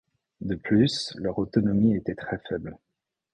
De plus, leur autonomie était très faible.